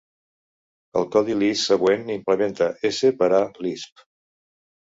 El codi Lisp següent implementa s per a Lisp.